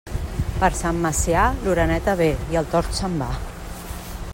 Per Sant Macià, l'oreneta ve i el tord se'n va.